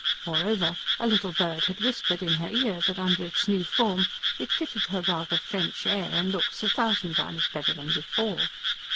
Moreover, a little bird had whispered in her ear that, under its new form, it fitted her rather "FRENCH" air and looks a thousand times better than before.